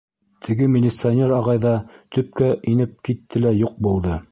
Теге милиционер ағай ҙа төпкә инеп китте лә, юҡ булды.